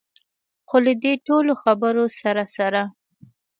خو له دې ټولو خبرو سره سره.